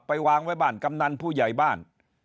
วางไว้บ้านกำนันผู้ใหญ่บ้าน